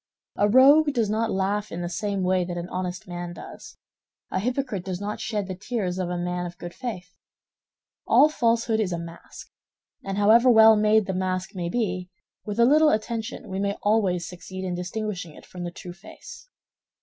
A rogue does not laugh in the same way that an honest man does; a hypocrite does not shed the tears of a man of good faith. All falsehood is a mask; and however well made the mask may be, with a little attention we may always succeed in distinguishing it from the true face.